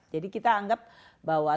jadi kita anggap bahwa